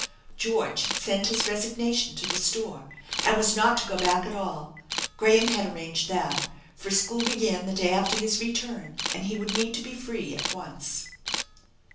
George had sent his resignation to the store and was not to go back at all. Graham had arranged that, for school began the day after his return and he would need to be free at once.